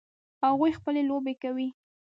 هغوی خپلې لوبې کوي